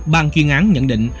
bàn chuyên án nhận định